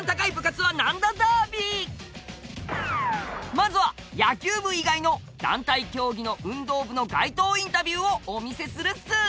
まずは野球部以外の団体競技の運動部の街頭インタビューをお見せするっす！